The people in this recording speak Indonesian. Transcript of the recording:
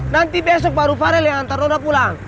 nanti besok baru farel yang antar nona pulang